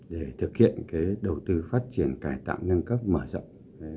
để thực hiện đầu tư phát triển cải tạo nâng cấp mở rộng